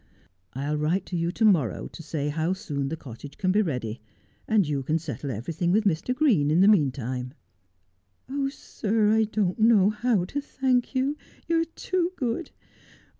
' I'll write to you to morrow to say how soon the cottage can be ready ; and you can settle everything with Mr. Green in the meantime.' ' Oh, sir, I don't know how to thank you. You are too good.